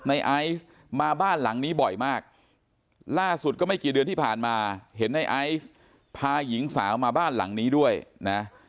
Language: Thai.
ไอซ์มาบ้านหลังนี้บ่อยมากล่าสุดก็ไม่กี่เดือนที่ผ่านมาเห็นในไอซ์พาหญิงสาวมาบ้านหลังนี้ด้วยนะ